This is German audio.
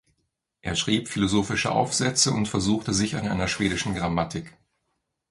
Er schrieb philosophische Aufsätze und versuchte sich an einer schwedischen Grammatik.